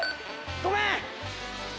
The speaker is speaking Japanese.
ごめん。